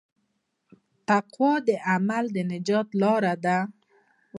د تقوی عمل د نجات لاره ده.